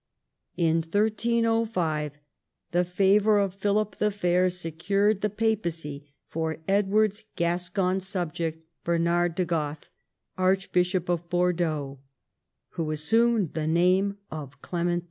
In 1305 the favour of Philip the Fair secured the papacy for Edward's Gascon subject, Bertrand de Goth, Archbishop of Bordeaux, who assumed 'the name of Clement V.